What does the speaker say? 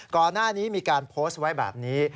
ก่อนหน้านี้มีการโพสต์ไว้แบบนี้